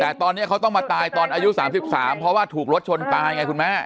แต่ตอนนี้เขาต้องมาตายตอนอายุ๓๓เพราะว่าถูกรถชนตายไงคุณแม่